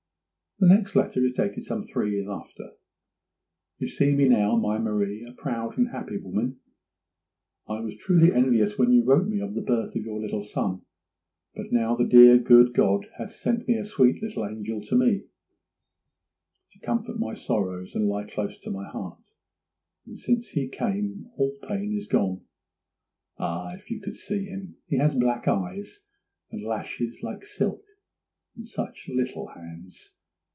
The next letter is dated some three years after. 'You see me now, my Marie, a proud and happy woman. I was truly envious when you wrote me of the birth of your little son; but now the dear good God has sent a sweet little angel to me, to comfort my sorrows and lie close to my heart; and since he came all pain is gone. Ah, if you could see him! he has black eyes and lashes like silk, and such little hands!